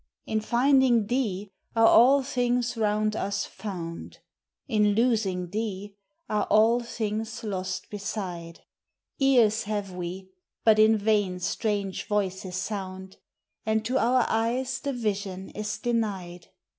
In finding thee are all things round us found; In losing thee are all things lost beside; Ears have we, but in vain strange voices sound; And to our eyes the vision is denied.